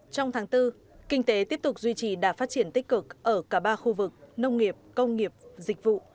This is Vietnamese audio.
trong tháng bốn kinh tế tiếp tục duy trì đạt phát triển tích cực ở cả ba khu vực nông nghiệp công nghiệp dịch vụ